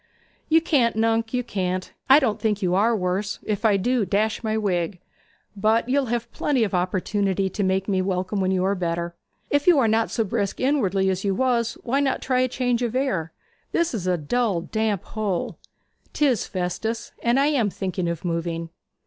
'You can't, nunc, you can't. I don't think you are worse if I do, dash my wig. But you'll have plenty of opportunities to make me welcome when you are better. If you are not so brisk inwardly as you was, why not try change of air? This is a dull, damp hole.' ''Tis, Festus; and I am thinking of moving.'